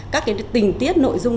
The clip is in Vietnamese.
các tình tiết nội dung